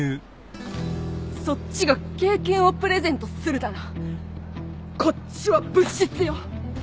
そっちが経験をプレゼントするならこっちは物質よ！